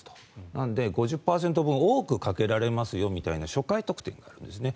なので５０％多くかけられますよという初回特典があるんですね。